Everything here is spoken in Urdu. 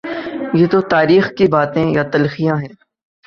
یہ تو تاریخ کی باتیں یا تلخیاں ہیں۔